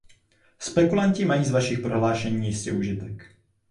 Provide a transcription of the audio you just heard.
Spekulanti mají z vašich prohlášení jistě užitek.